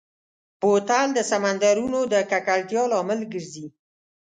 بوتل د سمندرونو د ککړتیا لامل ګرځي.